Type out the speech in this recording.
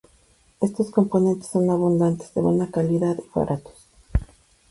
Estos componentes son abundantes, de buena calidad y baratos.